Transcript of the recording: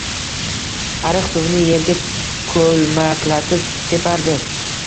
Ariq suvini yerga ko‘lmaklatib separdi.